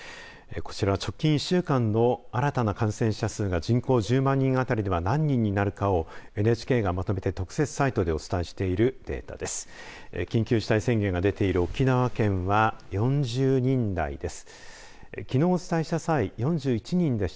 こちらは直近１週間の新たな感染者数が人口１０万人あたりでは、何人になるかをＮＨＫがまとめて特設サイトでお伝えしているデータです。